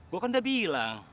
gue kan udah bilang